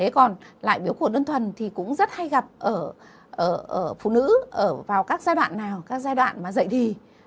còn lại biểu khuẩn ơn thuần thì cũng rất hay gặp ở phụ nữ vào các giai đoạn nào các giai đoạn mà dậy thì